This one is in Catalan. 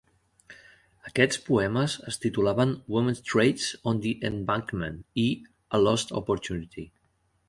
Aquests poemes es titulaven "Women's Trades on the Embankment" i "A Lost Opportunity".